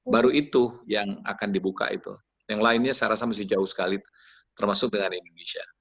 baru itu yang akan dibuka itu yang lainnya saya rasa masih jauh sekali termasuk dengan indonesia